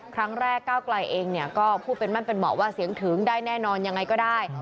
ครั้งแรกเก้ากลายเองเนี่ยก็พูดเป็นมั่นเป็นหมอว่าเสียงถึงได้แน่นอนยังไงก็ได้